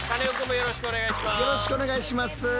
よろしくお願いします。